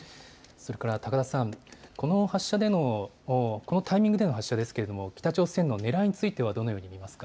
高田さん、このタイミングでの発射ですが北朝鮮のねらいについてはどのように見ますか。